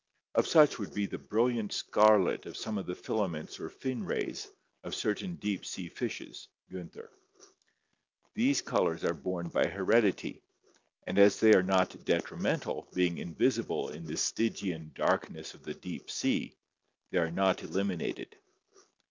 Of such would be the brilliant scarlet of some of the filaments or fin rays of certain deep sea fishes (Giinther). These colors are borne by heredity, and as they are not detrimental, being in visible in the Stygian darkness of the deep sea, they are not elimi nated.